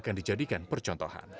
yang dijadikan percontohan